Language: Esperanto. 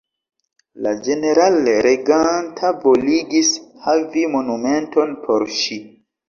La ĝenerale reganta voligis havi monumenton por ŝi.